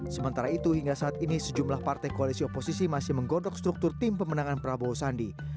sementara itu hingga saat ini sejumlah partai koalisi oposisi masih menggodok struktur tim pemenangan prabowo sandi